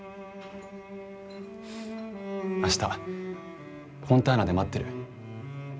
明日フォンターナで待ってる。